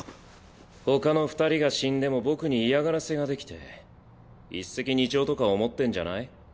ほかの二人が死んでも僕に嫌がらせができて一石二鳥とか思ってんじゃない？